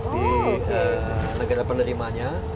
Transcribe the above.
di negara penerimanya